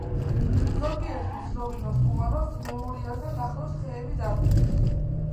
ზოგიერთმა ცნობილმა სტუმარმა მემორიალთან ახლოს ხეები დარგეს.